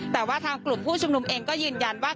แต่ว่าทางกลุ่มผู้ชุมนุมเองก็ยืนยันว่า